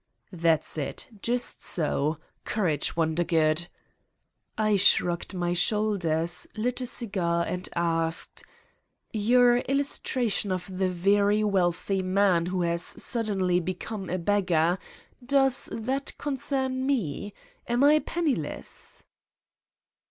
"That's it. Just so. Courage, Wondergood!" I shrugged my shoulders, lit a cigar and asked : "Your illustration of the very wealthy man who has suddenly become a beggar, does that concern me? Am I penniless?"